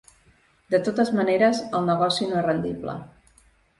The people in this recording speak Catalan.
De totes maneres, el negoci no és rendible.